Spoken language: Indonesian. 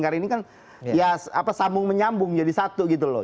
karena ini kan ya apa sambung menyambung jadi satu gitu loh